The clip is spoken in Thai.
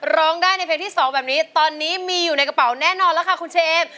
ร้องได้ในเพลงที่๒แบบนี้ตอนนี้มีอยู่ในกระเป๋าแน่นอนแล้วค่ะคุณเชม